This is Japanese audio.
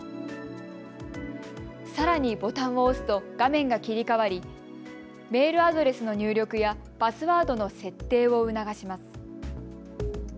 さらにボタンを押すと画面が切り替わりメールアドレスの入力やパスワードの設定を促します。